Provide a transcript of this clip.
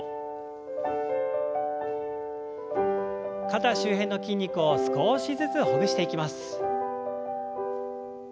肩周辺の筋肉を少しずつほぐしていきます。